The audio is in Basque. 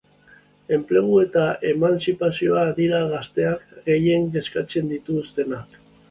Enplegua eta emantzipazioa dira gazteak gehien kezkatzen dituztenak.